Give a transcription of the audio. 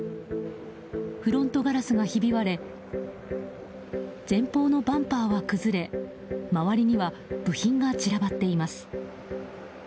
フロントガラスがひび割れ前方のバンパーは崩れ周りには部品が散らばっています。